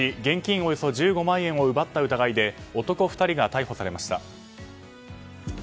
およそ１５万円を奪った疑いで男２人が逮捕されました。